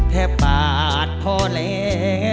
แทบปาดพอแล้ว